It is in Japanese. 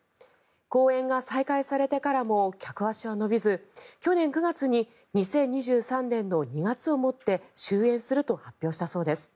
公演が再開してからも客足は伸びず、去年９月に２０２３年の２月をもって終演すると発表したそうです。